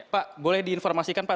pak boleh diinformasikan pak